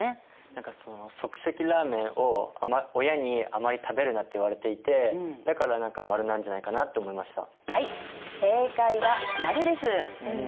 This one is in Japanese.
何かその即席ラーメンを親にあまり食べるなって言われていてだから何か○なんじゃないかなって思いました。